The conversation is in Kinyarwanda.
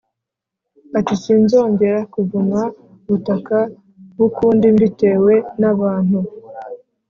ati sinzongera kuvuma ubutaka b ukundi mbitewe n abantu